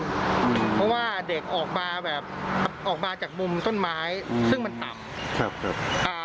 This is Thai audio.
เพราะว่าเด็กออกมาจากมุมต้นไม้ซึ่งมันต่ำ